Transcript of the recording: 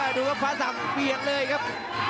ดูว่าฟ้าสั่งเปลี่ยนเลยครับ